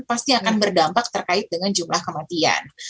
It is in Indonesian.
pasti akan berdampak terkait dengan jumlah kematian